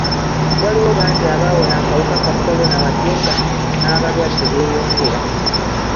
Waliwo bangi abawona akawuka ka kolona wadde nga n'abalwadde beeyongera.